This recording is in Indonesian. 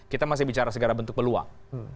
kita masih bicara segala bentuk peluang